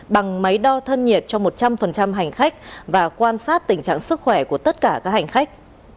bằng máy đo thân nhiệt cho một trăm linh hành khách và quan sát tình trạng sức khỏe của tất cả các hành khách